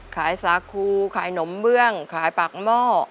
สาคูขายหนมเบื้องขายปากหม้อ